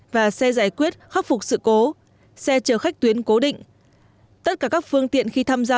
và xe giải quyết khắc phục sự cố xe chở khách tuyến cố định tất cả các phương tiện khi tham gia